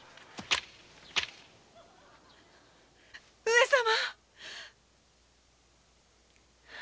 上様。